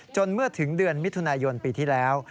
เมื่อถึงเดือนมิถุนายนปีที่แล้ว